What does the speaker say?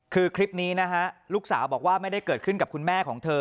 คือคลิปนี้นะฮะลูกสาวบอกว่าไม่ได้เกิดขึ้นกับคุณแม่ของเธอ